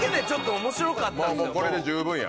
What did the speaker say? もうこれで十分や。